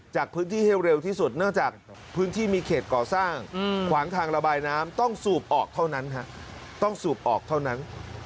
จากพื้นที่ให้เร็วที่สุดเนื่องจากพื้นที่มีเขตก่อสร้างขวางทางระบายน้ำต้องสูบออกเท่านั้นต้องสูบออกเท่านั้น